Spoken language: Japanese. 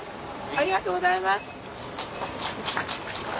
ありがとうございます。